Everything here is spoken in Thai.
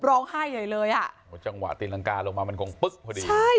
ร้องไห้ใหญ่เลยอ่ะโหจังหวะตีรังกาลงมามันคงปึ๊กพอดีใช่